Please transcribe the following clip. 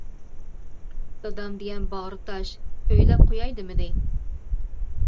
دادام دېگەن باغرى تاش، ئۆيلەپ قوياي دىمىدى.